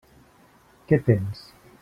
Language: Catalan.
Què tens?